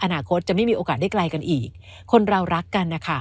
อนาคตจะไม่มีโอกาสได้ไกลกันอีกคนเรารักกันนะคะ